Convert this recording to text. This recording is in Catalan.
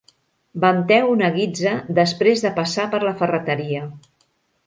Venteu una guitza després de passar per la ferreteria.